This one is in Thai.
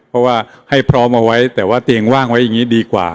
เพราะว่าให้พร้อมเอาไว้แต่ว่าเตียงว่างไว้อย่างนี้ดีกว่า